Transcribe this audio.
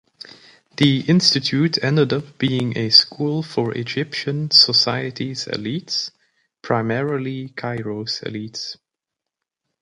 The Institute ended up being a school for Egyptian society's elites primarily Cairo's elite.